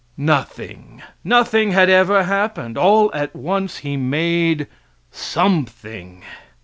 Nothing. Nothing had ever happened. All at once He made something.